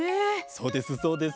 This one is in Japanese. そうですそうです。